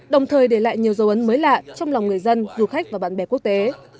đồng thời để lại nhiều dấu ấn mới lạ trong lòng người dân du khách và bạn bè quốc tế